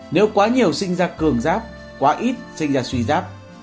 nếu quá nhiều sinh ra cường giáp quá ít sinh ra suy giáp